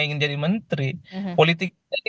ingin jadi menteri politik jadi